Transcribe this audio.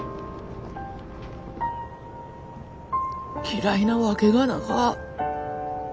嫌いなわけがなか。